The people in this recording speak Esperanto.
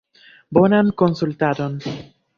Bonan konsultadon!